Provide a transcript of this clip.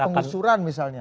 tolak pengusuran misalnya